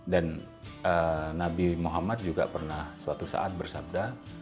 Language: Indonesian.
dan nabi muhammad juga pernah suatu saat bersabda